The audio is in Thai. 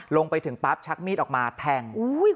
ลงไปถึงปั๊บชักมีดออกมาแทง